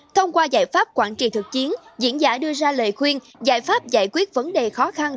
thông qua giải pháp quản trị thực chiến diễn giả đưa ra lời khuyên giải pháp giải quyết vấn đề khó khăn